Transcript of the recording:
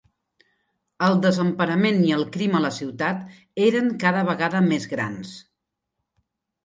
El desemparament i el crim a la ciutat eren cada vegada més grans.